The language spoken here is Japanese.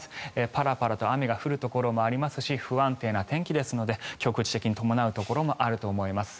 パラパラと雨が降るところもありますし不安定な天気ですので局地的に伴うところもあると思います。